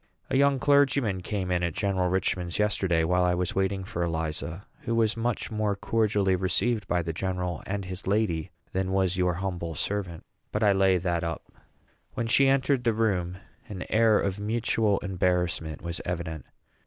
A young clergyman came in at General Richman's yesterday, while I was waiting for Eliza, who was much more cordially received by the general and his lady than was your humble servant; but I lay that up. When she entered the room, an air of mutual embarrassment was evident.